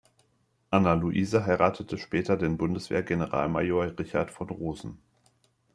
Anna-Luise heiratete später den Bundeswehr-Generalmajor Richard von Rosen.